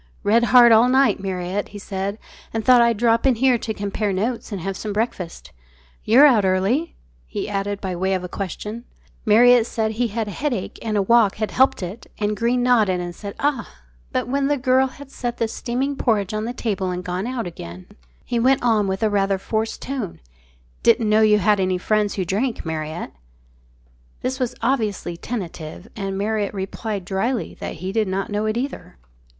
"Read hard all night, Marriott," he said, "and thought I'd drop in here to compare notes and have some breakfast. You're out early?" he added, by way of a question. Marriott said he had a headache and a walk had helped it, and Greene nodded and said "Ah!" But when the girl had set the steaming porridge on the table and gone out again, he went on with rather a forced tone, "Didn't know you had any friends who drank, Marriott?" This was obviously tentative, and Marriott replied drily that he did not know it either.